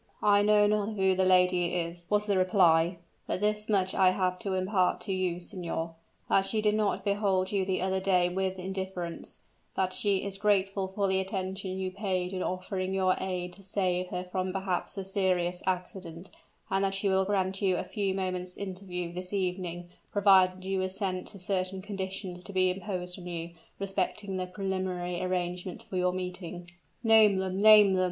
"I know not who the lady is," was the reply; "but this much I have to impart to you, signor that she did not behold you the other day with indifference; that she is grateful for the attention you paid in offering your aid to save her from perhaps a serious accident and that she will grant you a few moments' interview this evening, provided you assent to certain conditions to be imposed upon you, respecting the preliminary arrangements for your meeting." "Name them! name them!"